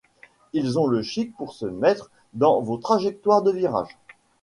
Ils ont le chic pour se mettre dans vos trajectoires de virage.